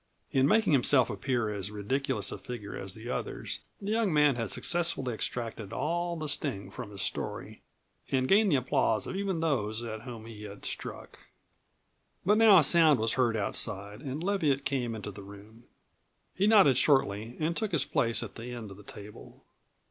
In making himself appear as ridiculous a figure as the others, the young man had successfully extracted all the sting from his story and gained the applause of even those at whom he had struck. But now a sound was heard outside, and Leviatt came into the room. He nodded shortly and took his place at the end of the table.